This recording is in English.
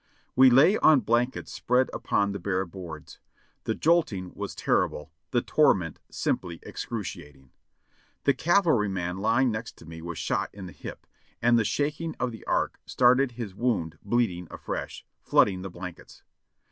We lay on blankets spread upon the bare boards. The jolting was terrible, the torment simply excruciat ing. The cavalryman lying next to me was shot in the hip, and the shaking of the ark started his wound bleeding afresh, flood ing the blankets.